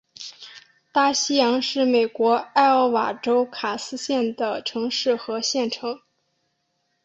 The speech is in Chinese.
大西洋是美国艾奥瓦州卡斯县的城市和县城。